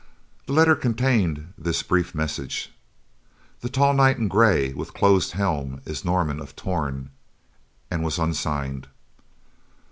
The letter contained this brief message: "The tall knight in gray with closed helm is Norman of Torn," and was unsigned.